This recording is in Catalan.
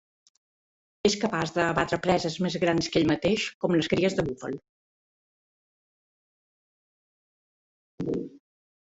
És capaç d'abatre preses més que grans que ell mateix, com les cries de búfal.